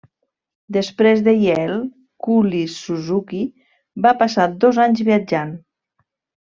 Després de Yale, Cullis-Suzuki va passar dos anys viatjant.